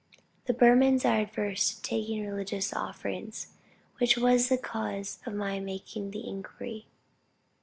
(The Burmans are averse to taking religious offerings, which was the cause of my making the inquiry.)